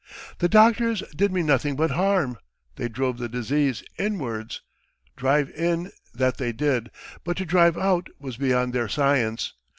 The doctors did me nothing but harm. They drove the disease inwards. Drive in, that they did, but to drive out was beyond their science.